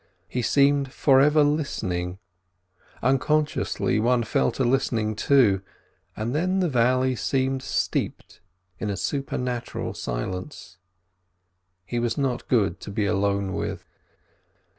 He seemed for ever listening; unconsciously one fell to listening too, and then the valley seemed steeped in a supernatural silence. He was not good to be alone with.